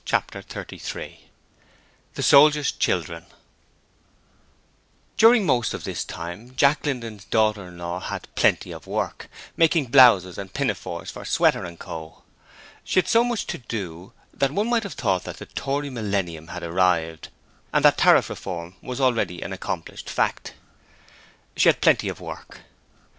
Chapter 33 The Soldier's Children During most of this time, Jack Linden's daughter in law had 'Plenty of Work', making blouses and pinafores for Sweater & Co. She had so much to do that one might have thought that the Tory Millennium had arrived, and that Tariff Reform was already an accomplished fact. She had Plenty of Work.